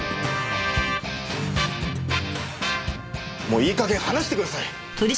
もういい加減話してください！